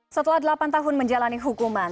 setelah delapan tahun menjalani hukuman